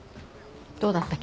どうだった？